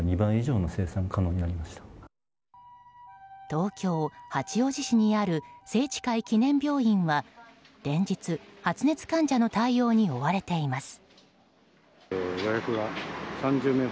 東京・八王子市にある清智会記念病院は連日、発熱患者の対応に追われています。